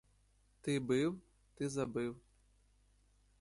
Ти бив, ти забив!